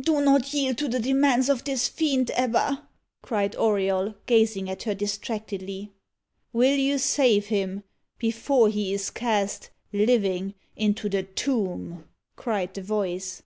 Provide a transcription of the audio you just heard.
"Do not yield to the demands of this fiend, Ebba!" cried Auriol, gazing at her distractedly. "Will you save him before he is cast, living, into the tomb?" cried the voice.